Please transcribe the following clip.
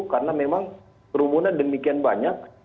karena memang rumunan demikian banyak